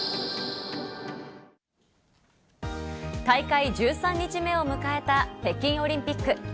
大会１３日目を迎えた北京オリンピック。